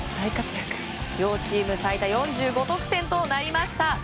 両チーム最多４５得点となりました。